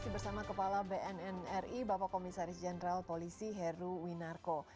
bersama bnnri bapak komisaris jenderal polisi heru winako